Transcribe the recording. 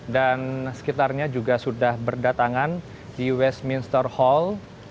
dan sekitarnya juga sudah berdatangan di westminster hall